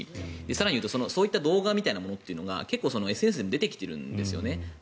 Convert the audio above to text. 更に言うとそういった動画みたいなものが結構ＳＮＳでも出てきているんですよね。